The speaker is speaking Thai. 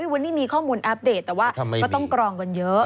วันนี้มีข้อมูลอัปเดตแต่ว่าก็ต้องกรองกันเยอะ